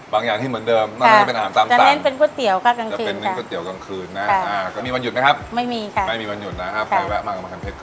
บางอย่างที่เหมือนเดิมนอกจากนั้นจะเป็นอาหารตามตามจะเป็นก๋วยเตี๋ยวค่ะ